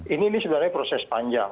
ini sebenarnya proses panjang